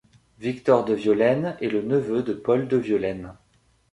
Victor Deviolaine est le neveu de Paul Deviolaine.